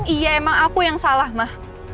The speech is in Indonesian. iya emang aku yang salah mah